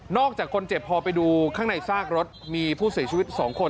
จากคนเจ็บพอไปดูข้างในซากรถมีผู้เสียชีวิต๒คน